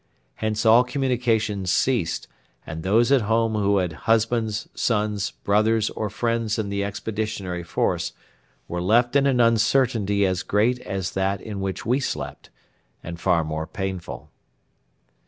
Hence all communications ceased, and those at home who had husbands, sons, brothers, or friends in the Expeditionary Force were left in an uncertainty as great as that in which we slept and far more painful.